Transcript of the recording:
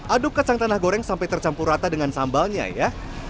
aduk kacang tanah goreng sampai tercampur rata dengan sambalnya ya